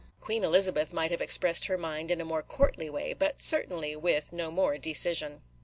Queen Elizabeth might have expressed her mind in a more courtly way, but certainly with no more decision.